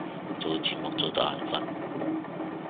做字幕做到眼憤